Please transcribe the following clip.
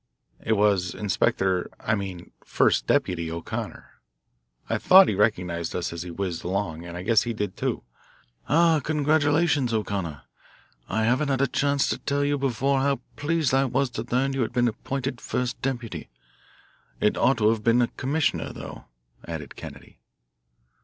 "It was Inspector I mean, First Deputy O'Connor. I thought he recognised us as he whizzed along, and I guess he did, too. Ah, congratulations, O'Connor! I haven't had a chance to tell you before how pleased I was to learn you had been appointed first deputy. It ought to have been commissioner, though," added Kennedy.